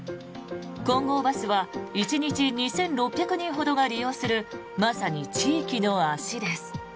金剛バスは１日２６００人ほどが利用するまさに地域の足です。